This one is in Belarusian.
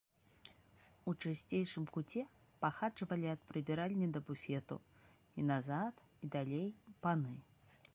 У чысцейшым куце пахаджвалі ад прыбіральні да буфету, і назад, і далей, паны.